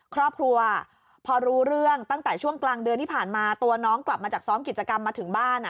ครอบครัวพอรู้เรื่องตั้งแต่ช่วงกลางเดือนที่ผ่านมาตัวน้องกลับมาจากซ้อมกิจกรรมมาถึงบ้าน